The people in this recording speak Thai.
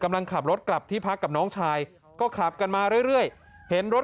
กำลังขับรถกลับที่พักกับน้องชายก็ขับกันมาเรื่อยเห็นรถ